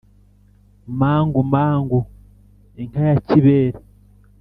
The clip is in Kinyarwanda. mangu mangu inka ya kibere